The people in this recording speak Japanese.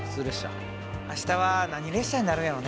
明日は何列車になるんやろね？